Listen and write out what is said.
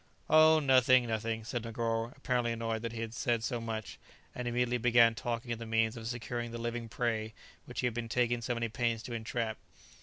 "Oh, nothing, nothing," said Negoro, apparently annoyed that he had said so much, and immediately began talking of the means of securing the living prey which he had been taking so many pains to entrap.